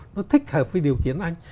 nó thích hợp với điều kiện anh